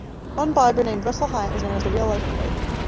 One barber named Russell Hiatt was known as "the real-life Floyd".